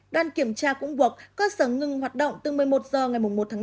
đoàn kiểm tra cũng buộc cơ sở ngừng hoạt động từ một mươi một h ngày một tháng năm